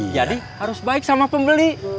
jadi harus baik sama pembeli